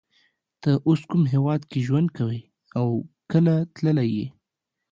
ته اوس کوم هیواد کی ژوند کوی او کله تللی یی